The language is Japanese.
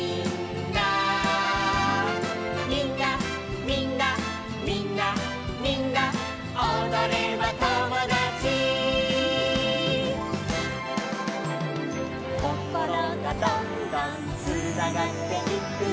「みんなみんなみんなみんなおどればともだち」「こころがどんどんつながっていくよ」